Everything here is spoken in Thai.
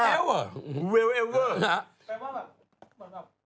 แปลว่าแบบเหมือนแบบ